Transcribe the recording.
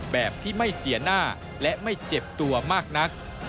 แบบที่ไม่เสียหน้าและไม่เจ็บตัวมากนัก